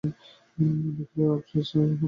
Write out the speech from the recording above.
দেখলে আপিস-পালানো সম্পূর্ণ ব্যর্থ হয়েছে।